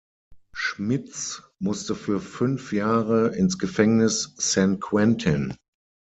Schmitz musste für fünf Jahre ins Gefängnis San Quentin.